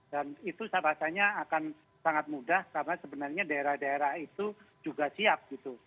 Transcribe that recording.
dan itu saya rasanya akan sangat mudah karena sebenarnya daerah daerah itu juga siap gitu